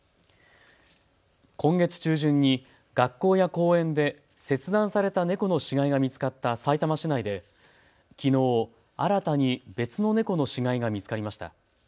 今月中旬に学校や公園で切断された猫の死骸が見つかったさいたま市内できのう新たに別の猫の死骸が見つかりました。